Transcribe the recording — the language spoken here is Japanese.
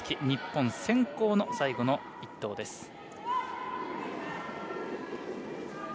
日本先攻の最後の１投です。